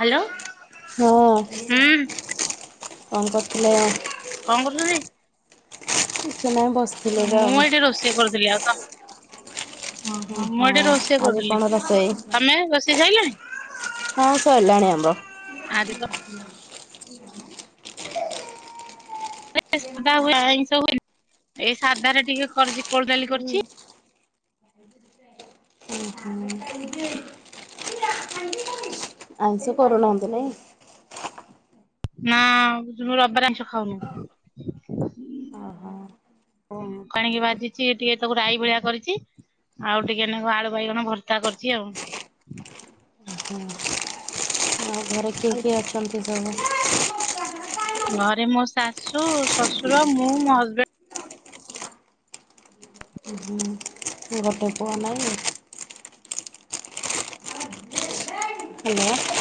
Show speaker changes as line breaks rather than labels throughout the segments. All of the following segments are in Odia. ହ୍ୟାଲୋ
ହଁ।
ହୁଁ
କଣ କରଥିଲ?
କଣ କରୁଥିଲ କି?
କିଛି ନାହିଁ ବସି
ମୁଁ ଏଇଠି ରୋଷେଇ କରୁଥିଲି ଆଉ ତ ଓଁ ହଁ ମୁଁ ଏଠି
ଓହୋ
ରୋଷେଇ
ଆଜି
କରୁଥିଲି
କଣ ରୋଷେଇ?
ତମେ ରୋଷେଇ ସାଇଲଣି।
ହଁ ସଇଲାଣି ଆମର।
ଆଜି ତ।
[unintelligible] [inaudible]
ସାଧା ହୁଏ ଆଇଷ ହୁଏନି ଏଇ ସାଧା ରେ ଟିକେ କରିଚି କୋଳଡାଲି
ହୁଁ
କରିଛି।
ଉଁ ହୁଁ। ଆଇଁଷ କରୁନାହାନ୍ତି ନାଇଁ।
ନାଁ ବୁଜୁ ରବିବାରେ ଆଇଁଷ ଖାଉନି।
ଓ ହୋ।
ଓହ ଆଣିକି ବାଜିଛି ଟିକେ ତାକୁ ରାଇ ଭଳିଆ କରିଚି। ଆଉ ଟିକେ ନାକୁ ଆଳୁ ବାଇଗଣ ଭର୍ତା କରିଛି ଆଉ।
ଓହୋ ଆଉ ଘରେ କିଏ
ଆଉ
କିଏ ଅଛନ୍ତି ସବୁ?
ଘରେ ମୋ ଶାଶୁ ଶ୍ୱଶୁର ମୁଁ ମୋ ହଜବେଣ୍ଡ।
ଉଁ ହୁଁ। ଗୋଟେ ପୁଅ ନାଁ ଇଏ। ହାଲୋ।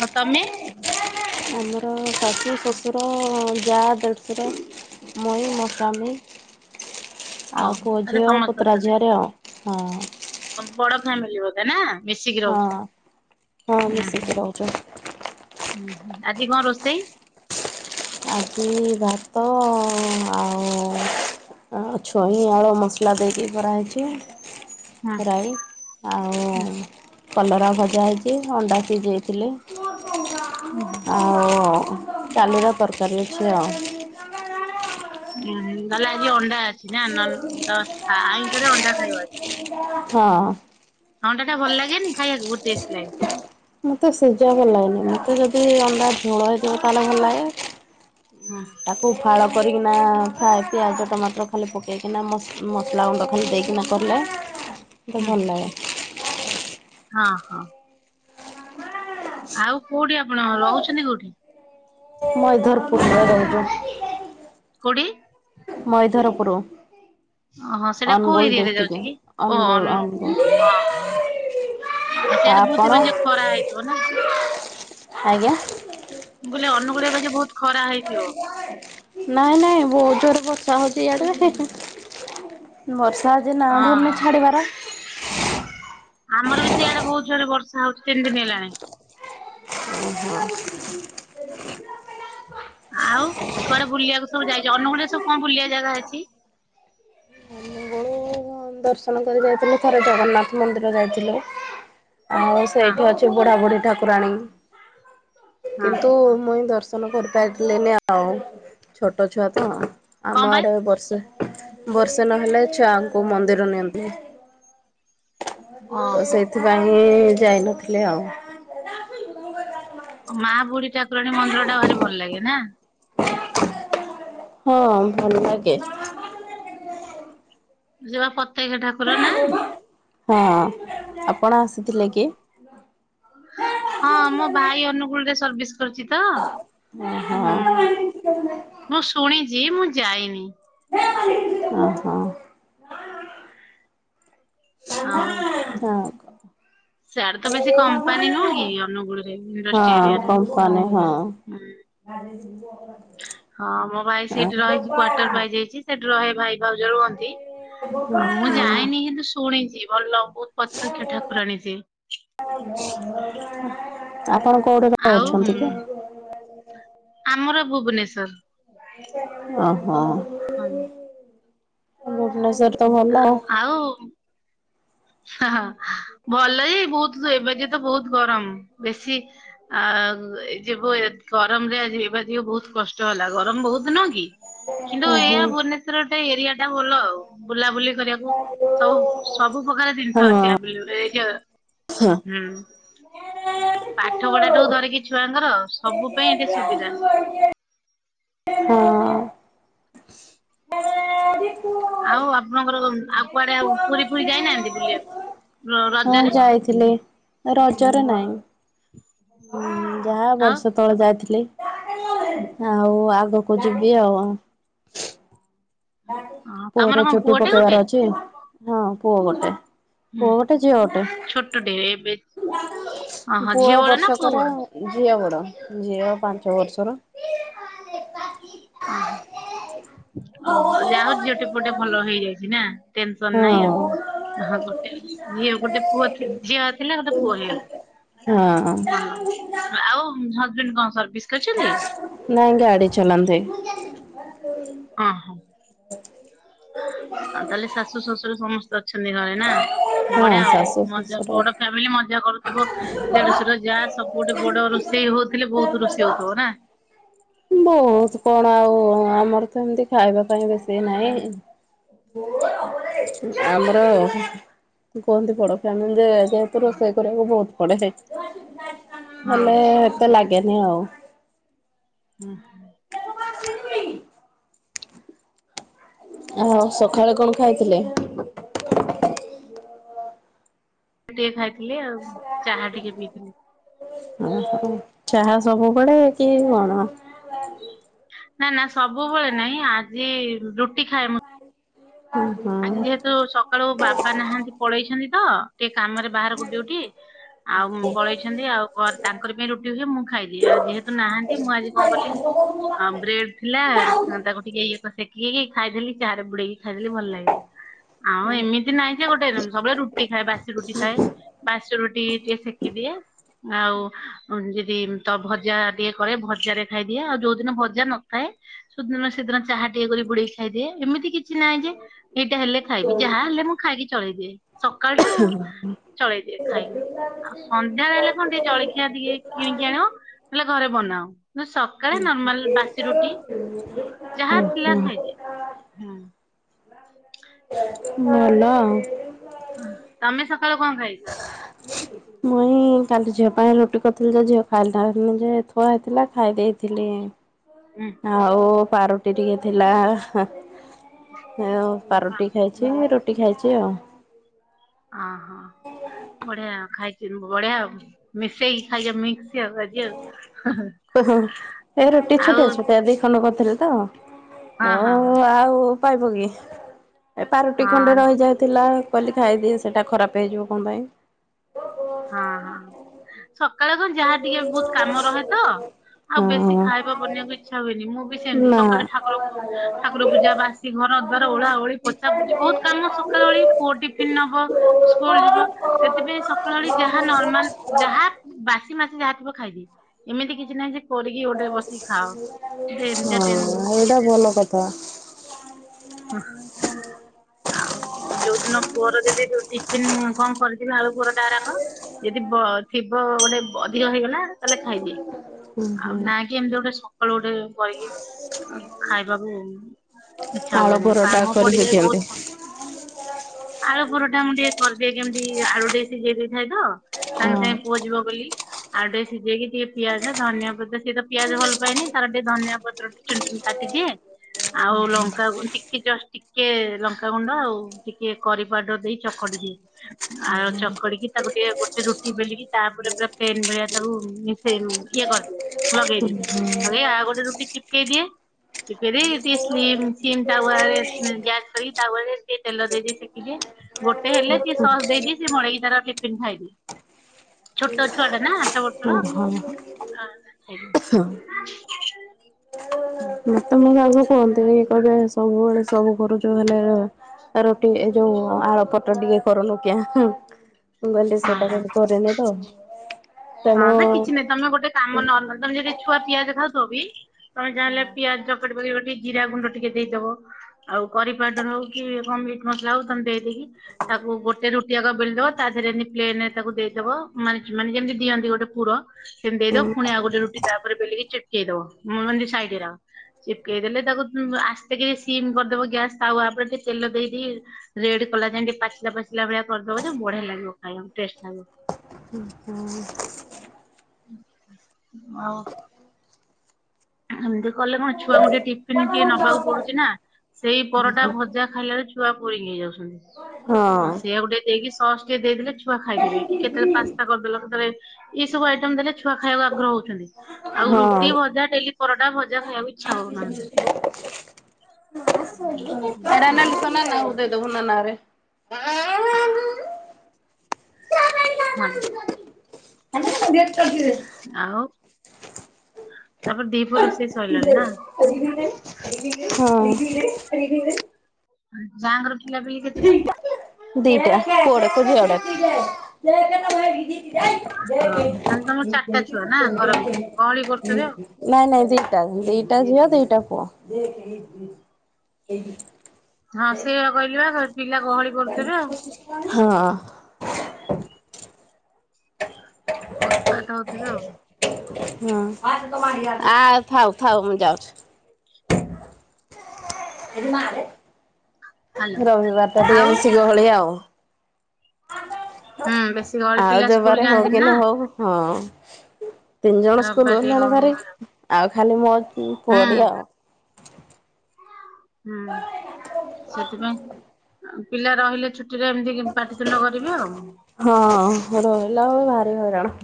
ଆଉ ତମେ?
ଆମର ଶାଶୁ ଶ୍ୱଶୁର ଯା ଦେ଼ଢ଼ଶୁର। ମୁଇ ମୋ ସ୍ୱାମୀ। ଆଉ
ଓହୋ
ପୁଅ
ତାହେଲେ
ଝିଅ
ସମସ୍ତେ ଅଛନ୍ତି
ପୁତୁରାଝିଆରି ଆଉ ହଁ।
ବଡ ଫ୍ୟାମିଲି ବୋଧେ ନା ମିଶିକି
ହଁ
ରହୁଚୁ।
ହଁ ମିଶିକି ରହୁଛୁ।
ଉଁହୁଁ ଆଜି କଣ ରୋଷେଇ?
ଆଜି ଭାତ ଆଉ ଆ ଛୁଇଁ ଆଳୁ ମସଲା ଦେଇକି କରାହେଇଚି
ହଁ
ରାଇ। ଆଉ
ହଁ
କଲରା ଭଜା ହେଇଚି ଅଣ୍ଡା ସିଜେଇଥିଲି।
ଉଁହୁଁ।
ଆଉ କାଲିର ତରକାରି ଅଛି ଆଉ।
ଉଁ ତାହଲେ ଆଜି ଅଣ୍ଡା ଅଛି ନା ନ ଦ ସ ଆଇଁଷରେ ଅଣ୍ଡା ଖାଇବା ଅଜି?
ହଁ।
ଅଣ୍ଡାଟା ଭଲ ଲାଗେନି ଖାଇବାକୁ ବହୁତ ଟେଷ୍ଟ ଲାଗେ।
ମତେ ସିଜା ଭଲ ଲାଗେନି ମତେ ଯଦି ଅଣ୍ଡା ଝୋଳ ହେଇଥିବ ତାହେଲେ ଭଲ ଲାଗେ। ହୁଁ। ତା କୁ ଫାଳ କରିକିନା ଫ୍ରାଏ ପିଆଜ ଟମାଟର ଖାଲି ପକେଇକିନା ମସ ମସଲା ଗୁଣ୍ଡ ଖାଲି ଦେଇକିନା କଲେ। ମତେ
ହୁଁ
ଭଲ ଲାଗେ।
ହଁ ହଁ। ଆଉ କୋଉଠି ଆପଣ ରହୁଛନ୍ତି କୋଉଠି?
ମଇଧରପୁର ମଇରଭଜ।
କୋଉଟି?
ମଇଧରପୁରୁ।
ଓହୋ ସେଇଟା କୋଉ
ଅନୁଗୁଳ
ଏରିଆରେ ଯାଉଛି
ଡିଷ୍ଟିକ
କି ଓ
ଅନୁଗୁଳ
ଅନୁ
ଅନୁଗୁଳ।
ହଁ ଆଉ ସିଆଡେ ବହୁତି ବାଯିଏ ଖରା ହେଇଥିବ ନା।
ଆଜ୍ଞା।
ମୁଁ କହିଲି ଅନୁଗୁଳରେ ଏବେ ଯୋଉ ବହୁତ ଖରା ହେଇଥିବ?
ନାଇଁ ନାଇଁ ବୋହୁତ ଜୋରେ ବର୍ଷା ହଉଛି ଇଆଡେ। ହେ ହେ। ବର୍ଷା ଯେ ନା
ହଁ
ଧରୁନି
ହଁ
ଛାଡ଼ିବାର।
ଆମର ବି ସେଇଆଡେ ବହୁତ ଜୋରେ ବର୍ଷା ହଉଛି ତିନି ଦିନ ହେଲାଣି।
ଉଁ ହୁଁ।
ଆଉ କୁଆଡେ ବୁଲିବାକୁ ସବୁ ଯାଇଚ। ଅନୁଗୁଳରେ ସବୁ କଣ ବୁଲିବା ଜାଗା ଅଛି?
ହଁ ଦର୍ଶନ କରି ଯାଇଥିଲୁ ଥରେ ଜଗନ୍ନାଥ ମନ୍ଦିର ଯାଇଥିଲୁ। ଆଉ
ହଁ
ସେଇଠି ଅ ବୁଢା ବୁଢି ଠାକୁରାଣୀ
ହଁ
କିନ୍ତୁ ମୁଇଁ ଦର୍ଶ ନ କରିପାରିଲେନି ଆଉ ଛୋଟ ଛୁଆ ତ ଆମ
କଣ ପାଇଁ
ଆଡେ ବର୍ଷେ ବର୍ଷେ ନହେଲେ ଛୁଆଙ୍କୁ ମନ୍ଦିର ନିଅନ୍ତିନି। ତ
ଓହୋ।
ସେଇଥିପାଇଁ କି ଯାଇନଥିଲେ ଆଉ।
ମା ବୁଢୀ ଠାକୁରାଣୀ ମନ୍ଦିର ଟା ଭାରି ଭଲ ଲାଗେ ନା?
ହଁ ଭଲ ଲାଗେ।
ଯିବା ପ୍ରତ୍ୟକ୍ଷ ଠାକୁର ନା?
ହଁ ଆପଣ ଆସିଥିଲେ କି?
ହଁ ମୋ ଭାଇ ଅନୁଗୁଳରେ ସର୍ବିସ୍ କରୁଚି ତ! ମୁଁ ଶୁଣିଛି ମୁଁ ଯାଇନି।
ଓ ହୋ। ହ
ଆଉ
କ [inaudible]
ସିଆଡେ ତ ବେଶୀ କମ୍ପାନୀ ନୁହଁ କି ଅନୁଗୁଳରେ ଇଣ୍ଡଷ୍ଟ୍ରି
ହଁ
ଏରିଆ ଟା
କମପାନୀ ହଁ।
ହୁଁ।
ଆ [inaudible]
ହଁ ମୋ ଭାଇ ସେଇଠି ରହିକି କ୍ଵାର୍ଟର ପାଇଯାଇଛି, ସେଠି ରହେ ଭାଇ ଭାଉଜ ରୁହନ୍ତି। ଆ ମୁଁ ଯାଇନି କିନ୍ତୁ ଶୁଣିଛି ଭଲ ବହୁତ ପ୍ରତ୍ୟକ ଠାକୁରାଣୀ ସେ।
ଆପଣ କୋଉଠି ତ
ଆଉ
ଅଛନ୍ତି କି?
ଆମର ଭୁବନେଶ୍ଵର।
ଓ ହୋ
ହଁ
ଭୁବନେଶ୍ୱର ତ ଭଲ।
ହ ହଁ ଭଲ ଯେ ବହୁତ ଏବେ ଯେ ତ ବହୁତ ଗରମ ବେଶୀ ଆ ଯିବୁ ଗରମ ରେ ଆ ଯିବା ଦି ବହୁତ କଷ୍ଟ। କଷ୍ଟ ହେଲା ଗରମ ବହୁତ ଦିନ କିନ୍ତୁ ଏଇଆ ଭୁବନେ ଗୋଟେ ଏରିଆ ଟା ଭଲ ବୁଲାବୁଲି କରିବାକୁ ସବୁ ସବୁ ପ୍ରକାର ଜିନିଷ ଅଛି ୟା
ହଁ।
ହୁଁ। ପାଠ ପଢା ଟାକୁ ଧରିକି ଛୁଆଙ୍କର
ହଁ
ସବୁ ପାଇଁ ଏଠି ସୁବିଧା।
ହୁଁ।
ଆଉ ଆପଣଙ୍କର ଆଉ କୁଆଡେ ଆଉ ପୁରୀ ଫୁରୀ ଯାଇନାହାନ୍ତି ବୁଲିବାକୁ।
ହଁ
ରଜରେ
ଯାଇଥିଲି ରଜରେ ନାଇଁ ଯାହା
ଆଉ
ବର୍ଷେ ତଳେ ଯାଇଥିଲି ଆଉ ଆଗକୁ ଯିବି ଆଉ।
ତମର
ପୁଅର
କଣ
ଚୁଟି
ପୁଅଟେ
ପକେଇବାର
ଗୋଟେ
ଅଛି ହଁ ପୁଅ ଗୋଟେ।
ହୁଁ
ପୁଅ ଗୋଟେ ଝିଅ ଗୋଟେ
ଛୋଟଟେ ଏବେ ଓହୋ ଝିଅ
ପୁଅ
ବଡ ନା ପୁଅ
ବର୍ଷକର
ବଡ?
ଝିଅ ବଡ଼ ଝିଅ ପାଞ୍ଚ ବର୍ଷର
ଓହଁ ଓ ହୋ ଯାହା ହଉ ଝିଅ ଟେ ପୁଅ ଟେ ଭଲ ହେଇଯାଇଛି ନା। ଟେନସନ୍ ନାହିଁ
ହଁ
ଆଉ। ହଁ ଗୋଟେ ଝିଅ ଗୋଟେ ପୁଅ ଥି ଝିଅ ଥିଲା ଗୋଟେ ପୁଅ ହେଇଗଲା।
ହଁ।
ଭଲ ଆଉ ହଜବେଣ୍ଡ କଣ ସର୍ଭିସ କରିିଛନ୍ତି।
ନାଇଁ ଗାଡି ଚଲାନ୍ତି। [inaudible]
ହଁ ହଁ। ଅ ତାହେଲେ ଶାଶୁ ଶ୍ୱଶୁର ସମସ୍ତେ ଅଛନ୍ତି ଘରେ ନା।
ହଁ
ବଢିଆ ଆଉ
ଶାଶୁ
ମଜା
ଶଶୁର
ବଡ ଫ୍ୟାମିଲି ମଜା କରୁଥିବ ଦେଢଶୁର ଯା ସବୁ ଗୋଟେ ବଡ ରୋଷେଇ ହଉଥିଲେ ବହୁତ ରୋଷେଇ ହଉଥିବ ନା।
ବହୁତ କଣ ଆଉ ଆମର ତ ଏମିତି ଖାଇବା ପାଇଁ ବେଶୀ ନହିଁ ଆମର କୁହନ୍ତି ବଡ଼ ଫ୍ୟାମିଲ ରେ ଯେହେତୁ ରୋଷେଇ କରିବାକୁ ବହୁତ ପଡେ ସେଇଥିପାଇଁ।
ହଁ
ହେଲେ ଏତେ ଲାଗେନି ଆଉ
ହୁଁ।
[inaudible] ଆଉ ସକାଳେ କଣ ଖାଇଥିଲେ?
ଟିକେ ଖାଇଥିଲି ଆଉ। ଚାହା ଟିକେ ପିଇଥିଲି।
ଓହୋ ଚାହା ସବୁ ବେଳେ କି କଣ?
ନା ନା ସବୁବେଳେ ନାଁଇ ଆଜି ରୁଟି ଖାଏ ମୁଁ।
ହଁ ହଁ ଭଲ
ଆଜି ଯେହେତୁ ସକାଳୁ ବାବା ନାହାନ୍ତି ପଳେଇଛନ୍ତି ତ ଟିକେ କାମରେ ବାହାରକୁ ଡିଉଟି। ଆଉ ପଳେଇଛନ୍ତି ଆଉ ତାଙ୍କରି ପାଇଁ ରୁଟି ହୁଏ ମୁଁ ଖାଇଦି ଆଉ ଯେହେତୁ ନାହାନ୍ତି ମୁଁ ଆଜି କଣ କଲି ଆ ବ୍ରେଡ ଥିଲା ତାକୁ ଟିକେ ଇଏ କ ସେକେଇି ଖାଇଦେଲି ଚା ରେ ବୁଡେଇକି ଖାଇଦେଲି ଭଲ ଲାଗିଲା। ଆଉ ଏମିତି ନାଇଁଯେ ଗୋଟେ ରୁଲ ସବୁବେଳେ ରୁଟି ଖାଏ ବାସି ରୁଟି ଖାଏ। ବସି ରୁଟିକି ଟିକେ ସେକିଦିଏ ଆଉ ଯଦି ତ ଭଜା ଟିକେ କରେ ଭଜା ରେ ଖାଇଦିଏ ଆଉ ଯୋଉଦିନ ଭଜା ନଥାଏ ସୁଦିନ ସେଦିନ ଚାହା ଟିକେ କରି ବୁଡେଇକି ଖାଇଦିଏ ଏମିତି କିଛି ନାହିଁ ଯେ ଏଇଟା ହେଲେ ଖାଇବି ଯାହା ହେଲେ ମୁଁ ଖାଇକି ଚଳେଇଦିଏ ସକାଳ ଟା ଚଳେଇ ଦିଏ ଖାଇବି ଆଉ ସନ୍ଧ୍ୟା ହେଲେ କଣ ଟିକେ ଜଳଖିଆ ଟିକେ କିଣିକି ଆଣ ନଲେ ଘରେ ବନାଅ ନ ସକାଳେ ନର୍ମାଲ ବାସି ରୁଟି ଯାହା ଥିଲା ଖାଇଦିଏ। ହଁ।
ମାଲୋ
ତମେ ସକାଳୁ କଣ ଖାଇଛ?
ମୁଁ କାଲି ଝିଅ ପାଇଁ ରୁଟି କରିଥିଲି ଯେ ଝିଅ ଖାଇଲାନି ଯେ ଥୁଆ ହେଇଥିଲା ଖାଇ ଦେଇେଇଥିଲି।
ହୁଁ
ଆଉ ପାରୁଟି ଟିକେ ଥିଲା ହେ ଏ। ଆଉ ପାରୁଟି ଖାଇଛି ରୁଟି ଖାଇଛି ଆଉ।
ଅହ ବଢିଆ ଖାଇଛି ବଢିଆଉ ମିଶେଇକି ଖାଇଜା ମିକ୍ସ। ଆଉ ଆଜି ଆଉ।
ଉ ହୁଁ ଏ ରୁଟି
ଆଉ
ଛୁଟିଆ ଛୁଟିଆ ଦି ଖଣ୍ଡ କରିଥିଲି ତ
ହଁ
ଓ
ହଁ ହଁ
ଆଉ ପାଇବ କି ଏ ପାରୁଟି ଖଣ୍ଡେ
ହଁ
ରହିଯାଇ ଥିଲା କହିଲି ଖାଇଦିଏ, ସେଟା ଖରାପ ହେଇଯିବ କଣ ପାଇଁ?
ହଁ ହଁ ସକାଳେ କଣ ଯାହା ଟିକେ ବହୁତ କାମ ରହେ ତ ଆଉ ବେଶୀ
ହଁ
ଖାଇବା ବନେଇବାକୁ ଇଚ୍ଛା ହୁଏନି, ମୁଁ ବି ସେମିତି
ନା।
ସକାଳେ
ହଁ
ଠାକୁର ଠାକୁର ପୂଜା ବାସ ସେଘର ଦ୍ୱାର ଓଳା ଓଳି, ପୋଛା ପୋଛି, ବହୁତ କାମ ସକାଳଓଳି ପୁଅ ଟିଫିନ ନବ ସ୍କୁଲ ଯିବ। ସେଥିପାଇଁ ସକାଳଓଳି ଯାହା ନର୍ମାଲ ଯାହା ହାତ ବାସି ମାସି ଯାହା ଥିବ ଖାଇଦିଏ, ଏମିତି କିଛି ନାହିଁ ଯେ କରିକି ଗୋଟେ ବସି ଖାଅ ଯେ ଏମିତା ଟେନ୍
ଏଟା ଭଲ କଥା।
[unintelligible] ଆଉ ଯୋଉ ଦିନ ପୁଅର ଯଦି ଯୋଉ ଟିଫିନ କଣ କରିଥିବି ଆଳୁ ପରଟା ହେରାକ ଯଦି ବ ଥିବ ଗୋଟେ ଅଧିକ ହେଇଗଲା ତାଲେ ଖାଇଦିଏ।
ହୁଁ
ଆଉ
ହୁଁ
ନାଇଁକି ଏମିତି ଗୋଟେ ସକାଳୁ ଗୋଟେ କରିକି ଖାଇବାକୁ ଇଛା
ଆଳୁ
ହୁଏନି,
ପରଟା
କାମ
କରିକି
ପଡିଯାଏ
ଦିଅନ୍ତି।
ବହୁତ। ଆଳୁ ପରଟା ମୁଁ ଟିକେ କରିଦିଏ କେମିତି ଆଳୁ ଟିକେ ସିଝେଇ ଦେଇଥାଏ ତ। ସାଙ୍ଗେ ସାଙ୍ଗେ ପୁଅ ଯିବ ବୋଲି। ଆଳୁ ଟିକେ ସିଝେଇକି ଟିକେ ପିଆଜ ଧନିଆ ପତ୍ର ସିଏତ ପିଆଜ ଭଲ ପାଏନି ତାର ଟିକେ ଧନିଆ ପତ୍ର ଚୂନ ଚୁନ କାଟିଦିଏ, ଆଉ ଲଙ୍କା ଟିକେ ଜଷ୍ଟ ଟିକେ ଲଙ୍କାଗୁଣ୍ଡ ଆଉ। ଟିକେ କରି ପାଉଡର ଦେଇ ଚକଟିଦିଏ। ଆଉ ଚକଡିକି ତାକୁ ଟିକେ ଗୋଟେ ରୁଟି ବେଲିକି ତାପରେ ପୁରା ପ୍ଲେନ ଭଳିଆ ତାକୁ ସେ ରୁ ଇଏ କରିଦିଏ ଲଗେଇଦିଏ, ଲଗେଇ ଆଉ ଗୋଟେ ରୁଟି ଚିପକେଇ ଦିଏ। ଚିପକେଦେଇ ଟିକେ ସ୍ଲିମ ସିମ ତାୱାରେ ଗ୍ୟାସ ସାରିକି ତାୱାରେ ଟିକେ ତେଲ ଦେଇଦିଥିବି। ସେକି ଦିଏ ଗୋଟେ ହେଲେ ସିଏ ସସ୍ ଦେଇ ଦିଏ ସେ ମଡ଼େଇକି ତାର ଟିପନ୍ ଖାଇଦିଏ। ଛୋଟ ଛୁଆ ଟା ନା ଆଠ ବର୍ଷର
ହଁ ହଁ
[unintelligible]
ମତେ ବି ଲାଗୁଛି ଏନ୍ତି ହେଇପାରେ ସବୁବେଳେ ସବୁ କରୁଛ ହେଲେ ରୁଟି ଏ ଯୋଉ ଆଳୁ ପରଟା ଟିକେ କରଲୋ କିଆଁ ମୁଁ କହିଲି
ହଁ।
ସେଟା
ହଁ।
କେବେ କରିନି ତ
ହଁ ଯେ କିଛି ନାଇଁ ତମେ ଗୋଟେ କାମ ନର୍ମାଲ ତମେ ଯେବେ ଛୁଆ ପିଆଜ ଖାଉଥିବ ବି ତମେ ଯାହାଲେ ପିଆଜ ଚକଟିବ ଇଏ ଗୋଟେ ଜିରା ଗୁଣ୍ଡ ଟିକେ ଦେଇଦେବ। ଆଉ କରି ପାଉଡର ହଉ କି କଣ ମିଟ୍ ମସଲା ହଉ ତମେ ଦେଇଦେଇକି ତାକୁ ଗୋଟେ ରୁଟିଆଗ ବେଲିଦବ ତା ଦେହରେ ଏମତି ପ୍ଲେନ ତାକୁ ଦେଇଦବ ମାନେ ମାନେ ଯେମିତି ଦିଅନ୍ତି ଗୋଟେ ପୁର, ସେମତି ଦେଇଦବ ଫୁଣି ଆଉ ଗୋଟେ ରୁଟି ତା ଉପରେ ବେଲିକି ଚିପକେଇ ଦବ। [unintelligible] ସାଇଜର। ଚିପକେଇ ଦେଲେ ତାକୁ ଆସ୍ତେକିରି ସିମ୍ କରିଦବ ଗ୍ୟାସ ତାୱା ଉପରେ ଟିକେ ତେଲ ଦେଇ ଦେଇ ରେଡ କଲାଯାଏଁ ଟିକେ ପାଚିଲା ପାଚିଲା ଭଳିଆ କରିଦବ ଯେ, ବଢିଆ ଲାଗିବ ଖାଇବାକୁ ଟେଷ୍ଟ ଲାଗିବ।
[unintelligible]
ଆଉ ହେମତି କଲେ କଣ ଛୁଆଙ୍କୁ ଟିକେ ଟିଫିନ ଟିକେ ନବାକୁ ପଡୁଛି ନା। ସେଇ ପରଟା ଭଜା ଖାଇଲା ବେଳେ ଛୁଆ ବୋରିଙ୍ଗ ହେଇଯାଉଛନ୍ତି। ସେୟାକୁ ଟିକେ ଦେଇକି ସସ୍ ଟିକେ ଦେଇଦେଲେ ଛୁଆ ଖାଇଦେବେ। କି କେତେବେଳେ ପାସ୍ତା କରିଦେଲ, କେତେବେଳେ ଏଇ ସବୁ ଆଇଟମ ଦେଲେ ଛୁଆ ଖାଇବାକୁ ଆଗ୍ରହ ହଉଛନ୍ତି। ଆଉ ରୁଟି
ହଁ।
ଭଜା ଡେଲି ପରଟା ଭଜା ଖାଇବାକୁ ଇଚ୍ଛା କରୁନାହାଁନ୍ତି।
ଆକୁ ଦେଇଦବୁ ନାନା ଘରେ।
[unintelligible] ହଁ।
[unintelligible]
ଆଉ ତାପରେ ଦ୍ଵିପହର ରୋଷେଇ ସଇଲାଣି ନା?
[unintelligible] ହଁ।
ଯାଆଙ୍କର ପିଲାପିଲି କେତେଟା?
ଦିଟା। ପୁଅ ଗୁଡ଼ାକ, ଝିଅ ଗୁଡ଼ାକ।
ଓହୋ ତାହେଲେ ତମର
ଯୟ
ଚାରିଟା ଛୁଆ ନା
କି
ଘର ଭିତରେ
ନାଇଁ
ଗହଳି କରୁଥିବେ ଆଉ।
ନାଇଁ ଦିଟା, ଦିଟା ଝିଅ, ଦିଟା ପୁଅ। [unintelligible]
ହଁ ସେୟା କହିଲି ବା ପିଲା ଗହଳି କରୁଥିବେ ଆଉ।
ହଁ। ହ
ଉତ୍ପାତ ହଉଥିବେ ଆଉ।
ହଁ, ଆ ଥାଉ ଥାଉ ମୁଁ ଯାଉଛି। ଏଠି ମାରେ।
ହାଲୋ
ରବିବାରଟା ଟିକେ
ଆଉ
ବେଶୀ ଗହଳି ଆଉ।
ହୁଁ ବେଶୀ ଗହଳି
ଆଉ
ପିଲା
ଯୋଉ
ସ୍କୁଲ
ବାରେ ହଉ
ଯାଆନ୍ତି
କି
ନା
ନ ହଉ ହଁ। ତିନି ଜଣ
ରବିବାର
ସ୍କୁଲ
ଟିକେ
ଗଲେଣି
ଗହଳି
ଭାରି,
ହୁଏ ଆଉ
ଆଉ ଖାଲି ମୋ ପୁଅଟି
ହୁଁ
ଆଉ।
ହୁଁ। ସେଥିପାଇଁ ଆଉ ପିଲା ରହିଲେ ଛୁ ଟିରେ ଏମତି ପାଟିତୁଣ୍ଡ କରିବେ ଆଉ।
ହଁ, ରହିଲା ବେଳକୁ ଭାରି ହଇରାଣ।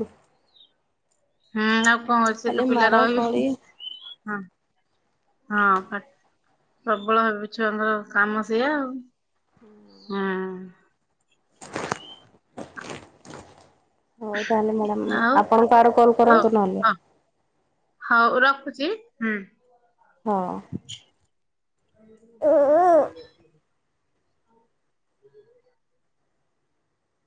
ହୁଁ ଆଉ କଣ ଅଛି,
ଖାଲି
ସେତ ପିଲା
ମାଡ଼
ରହିବେ।
କଳି।
ହଁ। ହଁ, ପାଟ ପ୍ରବଳ ଭାବ ଛୁଆଙ୍କର କାମ ସେଇଆ ଆଉ।
ହୁଁ
ହୁଁ
ହଉ ତାହେଲେ ମ୍ୟାଡ଼ାମ,
ଆଉ
ଆପଣଙ୍କୁ ଆଡୁ କଲ୍
ହଉ
କରନ୍ତୁ ନହେଲେ।
ହଁ ହଉ ରଖୁଛି ହୁଁ।
ହଁ।
ହ ହୁ।